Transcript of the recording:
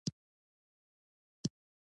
استاد د خپلې دندې سره مینه لري.